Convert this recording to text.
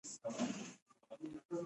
ږغ ور وکړه